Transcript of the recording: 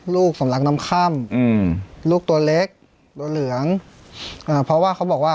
ลูกสำลักน้ำค่ำอืมลูกตัวเล็กตัวเหลืองอ่าเพราะว่าเขาบอกว่า